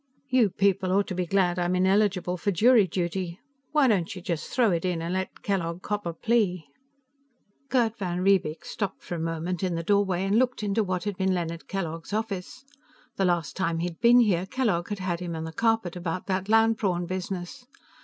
"You people ought to be glad I'm ineligible for jury duty. Why don't you just throw it in and let Kellogg cop a plea?" Gerd van Riebeek stopped for a moment in the doorway and looked into what had been Leonard Kellogg's office. The last time he'd been here, Kellogg had had him on the carpet about that land prawn business.